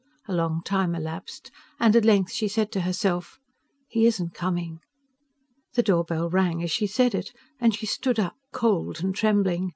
A long time elapsed, and at length she said to herself: "He isn't coming." The door bell rang as she said it, and she stood up, cold and trembling.